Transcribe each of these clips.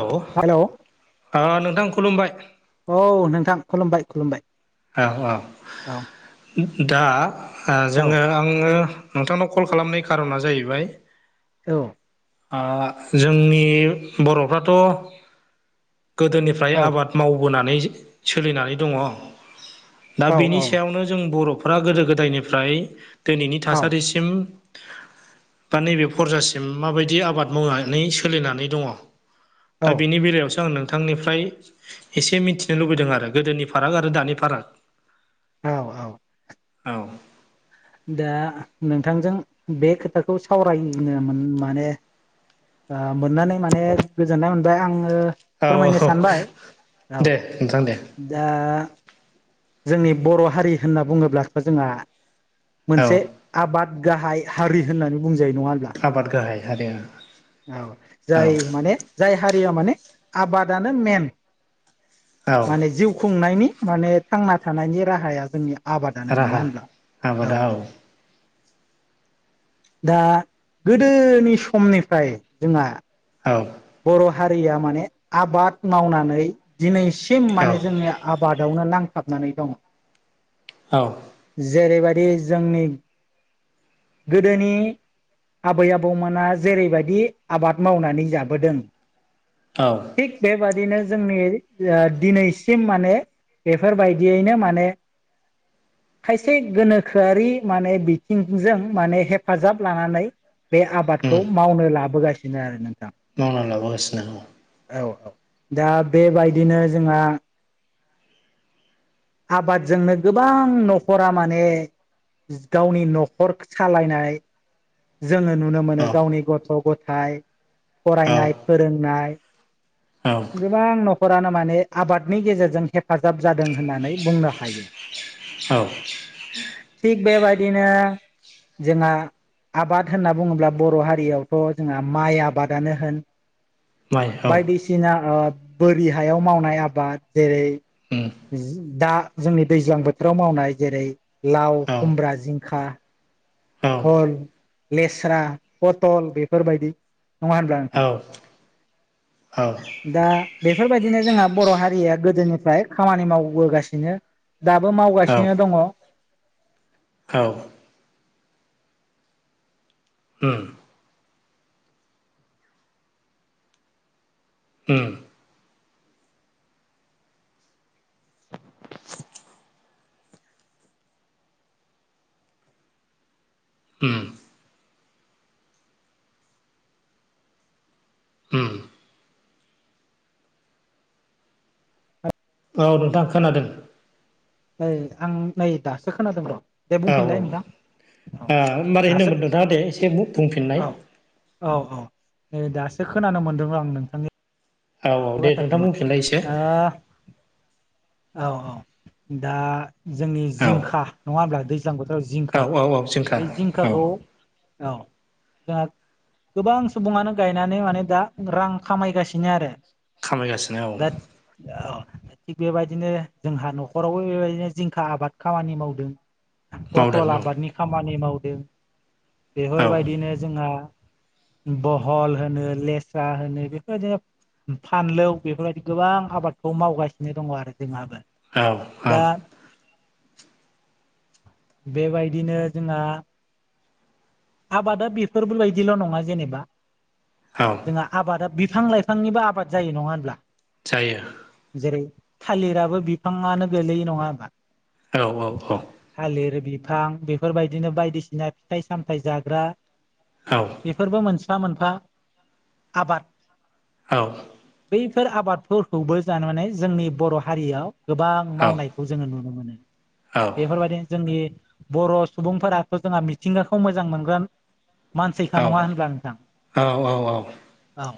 Hello ओ नोंथां खुलुमबाय औ नोंथां खुलुमबाय खुलुमबाय औ औ औ दा आ औ जोङो आङो नोंथांनाव कल खालामनाय खार'ना जाहैबाय औ आ जोंनि बर'फ्राथ' गोदोनिफ्राय औ आबाद मावबोनानै सोलिनानै दङ दा बेनि औ सायावनो जों बर'फोरा गोदो गोदायनिफ्राय दिनैनि औ थासारिसिम दा नैबे फरजासिम माबायदि आबाद मावनानै सोलिनानै दङ दा औ बेनि बेलायावसो आं नों थांनिफ्राय एसे मिथिनो लुबैदों आरो गोदोनि फाराग आरो दानि फाराग औ औ औ दा नोंथांजों बे खोथाखौ सावरायनो माने [inaudible] आ मोननानै माने गोजोननाय मोनबाय आङो औ फोरमायनो औ सानबाय औ दे नोंथां दे दा जोंनि बर' हारि होनना बुङोब्लाथ' जोंहा औ मोनसे आबाद गाहाय हारि होननानै बुंजायो नङा होनोमब्ला आरो औ जाय माने जाय हारिया माने आबादानो मेन औ माने जिउ खुंनायनि माने थांना थानायनि राहाया जोंनिया आबादानो नङा राहा होनब्ला औ औ दा गोदोनि समनिफ्राय जोंहा औ बर' हारिया माने आबाद मावनानै दिनैसिम औ माने जोङो आबाद नो नांथाबनानै दं औ जैबाय बे जोंनि गोदोनि आबै आबौमोना जेरैबायदि आबाद मावनानै जाबाय बोदों औ थिग बेबादिनो जोंनि ओ दिनैसिम माने बेफोरबायदियैनो माने खायसे गोनोखोयारि माने बिथिंजों माने हेफाजाब लानानै बे उम आबादखौ मावनो लाबोगासिनो आरो नोंथां मावना लाबोगासिनो औ औ औ दा बेबायदिनो जोंहा आबादजोंनो गोबां न'खरा माने गावनि न'खर सालायनाय जोङो नुनो औ मोनो गावनि गथ' गथायाइ फरायनाय फोरोंनाय औ गोबां न'खरानो माने आबादनि गेजेरजों हेफाजाब जादों होननानै बुंनो हायो औ थिग बेबायदिनो जोंना आबाद होनना बुङोब्ला बर' हारियावथ' जोंहा माइ आबादानो होन माइ औ बायदिसिना ओ बोरि हायाव मावनाय आबाद जेरै उम जि दा जोंनि दैज्लां बोथोराव मावनाय जेरै लाव औ खुमब्रा जिंखा औ फल लेस्रा पथल बेफोरबायदि नङा होनब्ला नोंथां औ दा बेफोरबायदिनो जोंहा बर' हारिया गोदोनि फ्राय खामानि मावबोगासिनो दाबो औ मावगासिनो दङ औ ओम ओम ओम उम औ नोंथां खोनादों ओइ आं नै दासो खोनादों र' दे औ औ बुंफिनलाय ओ नोंथां औ मारै दासो होनदोंमोन नोंथाङा दे एसे बुंफिननाय औ औ औ नै दासो खोनानो मोनदों र' आं नोंथांनि औ औ दे बाथ्राखौ नोंथां मा बुंफिलाय इसे ओ औ औ दा जोंनि औ जिंखा नङा होमब्ला दै गोजां बोथोराव औ जिंखा औ औ जिंखा बे औ जिंखाखौ औ जोंहा गोबां सुबुङानो गायनानै माने दा रां खामायगासिनो आरो खामायगासिनो औ दा औ थिग बेबायदिनो जोंहा न'खरावबो बेबायदिनो जिंखा आबाद खामानि मावदों पथल मावदों आबादनि खामानि मावदों औ बेफोरबायदिनो जोंहा बहल होनो लेस्रा होनो बेफोरबायदिनो फानलौ बेफोरबायदि गोबां आबादखौ मावगासिनो दङ' आरो जोंहाबो औ दा औ बेबायदिनो जोंहा आबादा बेफोरबोबायायदिल' नङा जेनेबा औ जोंहा आबादा बिफां लाइफांनिबो आबाद जायो नङा होनब्ला जायो जेरै थालिराबो बिफाङानो गोलैयो नङा होमबा औ औ औ फां बेफोरबायदिनो बायदिसिना फिथाइ-सामथाय जाग्रा औ बेफोरबो मोनसे मोनफा मोनफा आबाद औ बिफोर आबादफोरखौबो जानानै जोंनि बर' हारियाव गोबां मावनायखौ जोङो नुनो मोनो बेफोरबायदिनो जोंनि बर' सुबुंफोराथ' जोंहा मिथिंगाखौ मोजां मोनगोन मानसिखा औ नङा होनब्ला नोंथां औ औ औ औ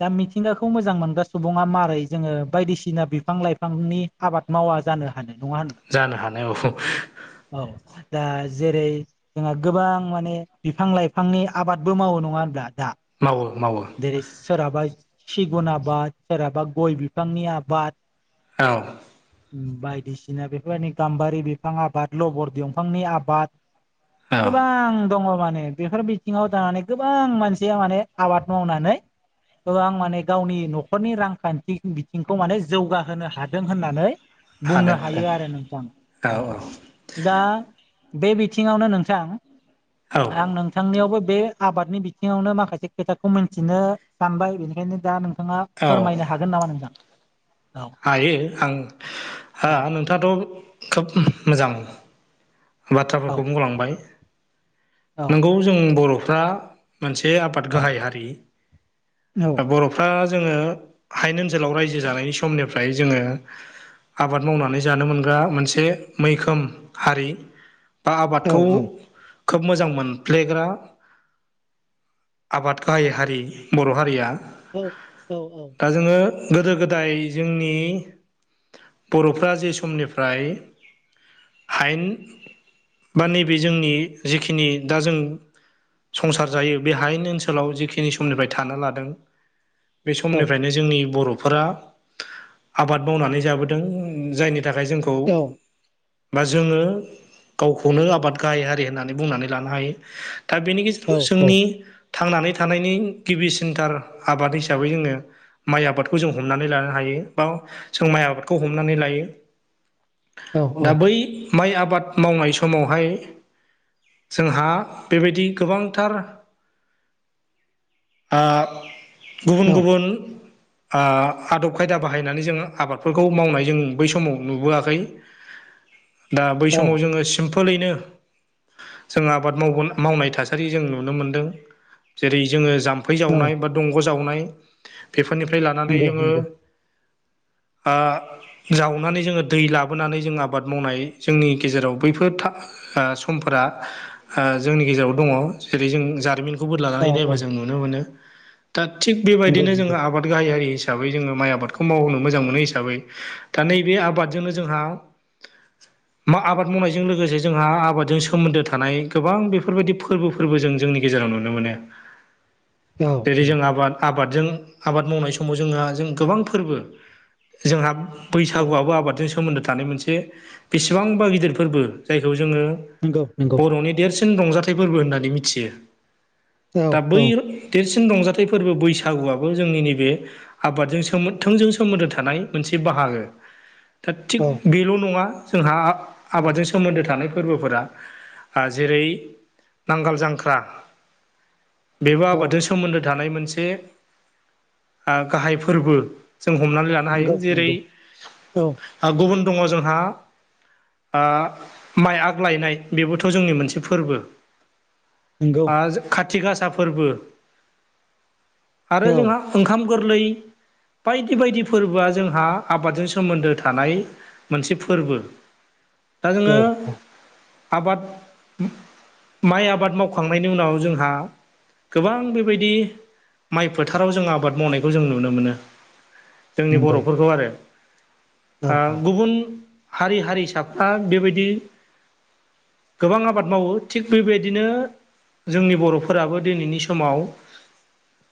दा मिथिंगाखौ मोजां मोनग्रा सुबुङा मारै जोङो बायदिसिना बिफां-लाइफांनि आबाद माव मावा जानो हानो नङा होनबा जानो हानाय औ औ दा जेरै जोंहा गोबां माने बिफां-लाइफांनि आबादबो मावो नङा होनब्ला दा मावो मावो देरै सोराबा सिगुन आबाद सोरहाबा गय बिफांनि आबाद औ बायदिसिना बेफोरबायदि गाम्बारि बिफां आबाद लबर दंफांनि आबाद औ गोबां दङ' मा ने बेफोर बिथिङाव थानानै गोबां मानसिया माने आबाद मावनानै गोबां माने गावनि न'खरनि रांखान्थि बिथिंखौ माने जौगाहोनो हादों होननानै बुंनो हादों हायो आरो नोंथां औ दा बे बिथिङावनो नों औ थां आं नोंथांनियावबो बे आबादनि बिथिङावनो माखासे खोथाखौ मोनथिनो सानबाय बेनिखायनो दा नों थाङा औ फोरमायनो हागोन नामा नोंथां? औ हायो आं औ ओ नोंथाङाथ' खोब मोजां औ बाथ्राफोरखौ बुंलांबाय औ नोंगौ जों बर'फ्रा मोनसे आबाद औ गाहाय हारि बर'फ्रा जोङो हायेन ओनसोलाव रायजो जानायनि समनिफ्राय जोङो आबाद मावनानै जानो मोनग्रा मोनसे मैखोम हारि बा औ आबादखौ खोब मोजां मोन फ्लेग्रा आबाद गाय हारि बर' हारिया औ औ औ गोदो-गोदाय जोंनि बर'फ्रा जे समनिफ्राय आयेन बा नैबे जोंनि जिखिनि दा जों संसार जायो बे हायनि ओनसोलाव जिखिनि समनिफ्राय थानो लादों बे समनिफ्रायनो जोंनि बर'फोरा आबाद मावनानै जाबोदों जायनि नि थाखाय जोंखौ बा जोङो गावखौनो आबाद गाहाय हारि होननानै बुंनानै लानो हायो दा बेनि गेजेराव जोंनि थांनानै थानायनि गिबिसिनथार आबाद हिसाबै जोङो माइ आबादखौ जों हमनानै लानो हायो बा जों माइ आबादखौ हमनानै लायो औ दा बै माइ आबाद मावनाय समावहाय जोंहा बेबायदि गोबांथार गुबुन गुबुन आदब खायदा बाहायनानै जो आबादफोरखौ मावनाय जों बै समाव नुबोआखै दा बै औ समाव जोङो सिम्पोलैनो जों आबाद मावोन मावनाय थासारि जों नुनो मोनदों जेरै जोङो ज थाम्फै जावनाय औ बा दंग' जावनाय बेफोरनिफ्राय लानानै नंगौ जोङो नंगौ जावनानै जोङो दै लाबोनानै जों आबाद मावनाय जोंनि गेजेराव बैफोर समफोरा जोंनि गेजेराव दङ जेरै जों जारिमिन खौबो औ लानानै नायबा औ जों नुनो मोनो दा थिग नंगौ बेबायदिनो जोङो नंगौ आबाद गाहायारि हिसाबै हिसाबै जोङो माइ आबादखौ मावहोनो मोजां मोनो हिसाबै दा नैबे आबादजोंनो जोंहा द [inaudible] आबाद मावनायजों लोगोसे जोंहा आबादजों सोमोन्दो थानाय गोबां बेफोरबायदि फोरबोफोरबो जों जोंनि गेजेराव जों नुनो मोनो औ जेरै जों आबाद आबादजों आबाद मावनाय समाव जोंहा जों गोबां फोरबो जोंहा औ बैसागुआबो आबादजों सोमोन्दो थानाय मोनसे बेसेबांबा गिदिर फोरबो जायखौ जोङो नंगौ नंगौ बर'नि देरसिन रंजाथाइ फोरबो होननानै मिथियो औ दा औ बै रंजाथाइ फोरबो बैसागुआबो जोंनि नैबे आबादजों थोंजों सोमोन्दो थानाय मोनसे बाह थि औ बेल' नङा जोंहा औ आबादजों सोमोन्दो थानाय फोरबोफोरा जेरै नांगाल जांख्रा बेबो औ आबादजों सोमोन्दो थानाय मोनसे गाहाय फोरबो जों हमनानै लानो हायो नंगौ जेरै नंगौ औ गुबुन दङ जोंहा माइ आगु लायनाय बेबोथ' जोंनि मोनसे फोरबो नंगौ खाथि गासा फोरबो आरो औ जोंहा ओंखाम गोरलै बायदि बायदि फोरबोआ जोंहा आबादजों सोमोन्दो थानाय मोनसे फोरबो दा औ जोङो औ आबाद माइ आबाद मावखांनायनि उनाव जोंहा गोबां बेबायदि माइ फोथाराव जों आबाद मावनायखौ जों नुनो मोनो जोंनि नंगौ बर'फोरखौ आरो औ औ गुबुन हारि हारिसाफ्रा बेबायदि गोबां आबाद मावो थिग बेबायदिनो जोंनि बर'फोराबो दिनैनि समाव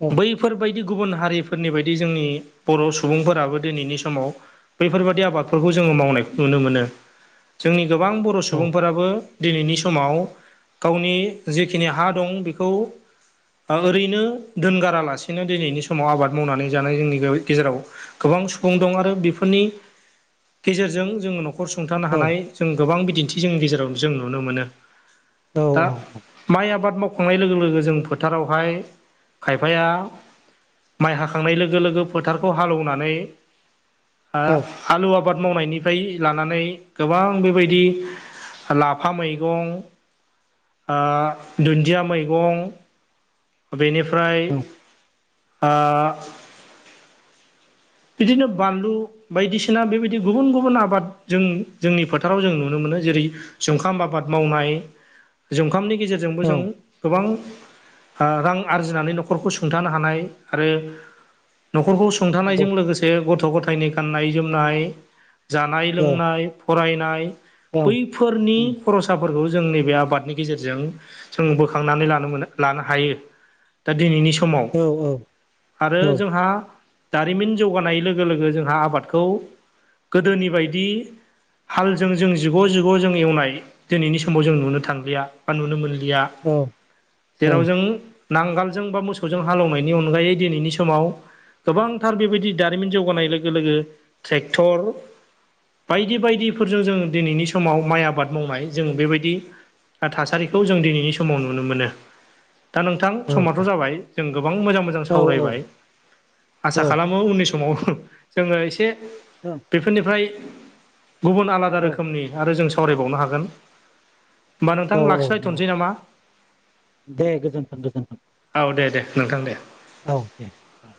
औ बैफोरबायदि बायदि गुबुन हारिफोरनि बायदि जोंनि बर' सुबुंफोराबो दिनैनि समाव बैफोरबायदि आबादफोरखौ जोङो मावनायखौ नुनो मोनो जोंनि गोबां बर' सुबुंफोराबो। दिनैनि समाव गावनि जेखिनि हा दं बेखौ। ओरैनो दोनगारालासिनो दिनैनि समाव आबाद मावनानै जानाय जोंनि गेजेराव गोबां। गोबां सुबुं दं आरो बेफोरनि गेजेरजों। जोङो न'खर सुंथानो औ हानाय जों गोबां बिदिन्थि जोंनि गेजेराव जों नुनो मोनो। औ दा माइ आबाद मावनाय। खंनाय लोगो लोगो जों फोथारावहाय खायफाया। माइ हाखांनाय लोगो लोगो फोथारखौ हालौवनानै औ आलु आबाद मावनायनि फ्राय लानानै गोबां बेबायदि लाफा मैगं दुन्दिया मैगं बेनिफ्राय नंगौ ओमफ्राय ओ। बिदिनो बानलु बायदिसिना बेबायदि गुबुन गुबुन आबाद जों जोंनि फोथाराव जों नुनो मोनो। जेरै जुंखाम आबाद मावनाय जखामनि गेजेरजोंबो जों गोबां। रां आरजिनानै न'खरखौ सोंथानो हानाय आरो। न'खरखौ सुंथानायजों लोगोसे गथ' गथायनि गाननाय जोमनाय औ औ जानाय-लोंनाय। फरायनाय बैफोरनि उम खरसाफोर जों नैबे आबादनि गेजेरजों जों बोखांनानै लानो मोन लानो हायो। दा दिनैनि समाव औ औ आरो औ जोंहा दारिमिन जौगानाय लोगो लोगो जोंहा आबादखौ गोदोनि बायदि हालजों जों जिग' जिग' जों एवनाय दिनैनि समाव जों नुनो थांलिया बा नुनो मोनलि या औ औ जेराव जों नांगोलजों बा मोसौजों हालेवनायनि अनगायै दिनैनि समाव गोबांथार बेबायदि। दारिमिन जौगानाय लोगो लोगो ट्रेक्टर बायदि बायदिफोरजों जों दिनैनि समाव माइ आबाद मावनाय जों बेबायदि। थासारिखौ जों दिनैनि समाव नुनो मोनो। दा नोंथां औ समथ' औ जाबाय जों गोबां मोजां मोजां सावरायबाय औ आसा खालामो उननि स समाव जोङो एसे बेफोरनिफ्राय गुबुन आलादा रोखोमनि आरो जों सावरायबावनो हागोन। होमबा नोंथां नंगौ लाखिबायथ'नोसै नामा? दे गोजोन्थों गोजोन्थों। औ दे दे नोंथां दे। औ दे औ।